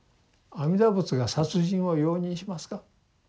阿弥陀仏が殺人を容認しますか。